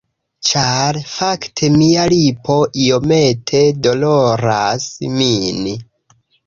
Ĉar fakte mia lipo iomete doloras min.